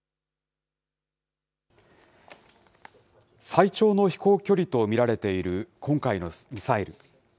最長の飛行距離と見られている今回のミサイル。